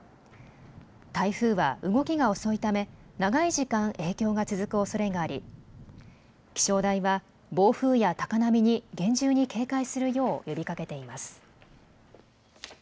台風は動きが遅いため長い時間、影響が続くおそれがあり気象台は暴風や高波に厳重に警戒するよう呼びかけています。